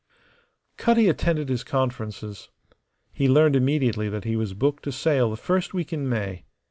Cutty attended his conferences. He learned immediately that he was booked to sail the first week in May.